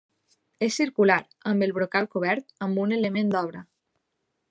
És circular, amb el brocal cobert amb un element d'obra.